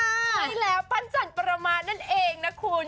ใช่แล้วปั้นจันประมาณนั่นเองนะคุณ